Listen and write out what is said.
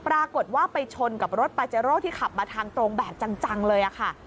ปรากฏว่าไปชนกับรถปาเจโร่ที่ขับมาทางตรงแบบจังเลยค่ะ